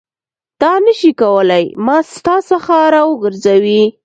دا نه شي کولای ما ستا څخه راوګرځوي.